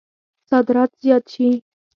صادرات زیات شي.